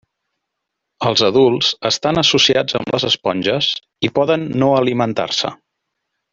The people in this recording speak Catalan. Els adults estan associats amb les esponges i poden no alimentar-se.